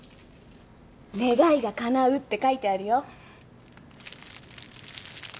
「願いが叶う」って書いてあるよ。